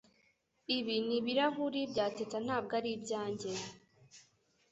Ibi ni ibirahuri bya Teta ntabwo ari ibyanjye